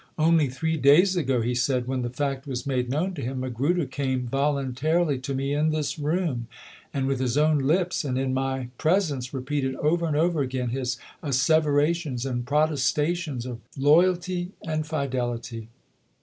" Only three days ago," he said, when the fact was made known to him, " Magruder came voluntarily to me in this room, and with his own lips and in my presence repeated over and over again his assevera tions and protestations of loyalty and fidelity."